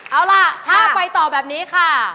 เอาล่ะถ้าไปต่อแบบนี้ค่ะ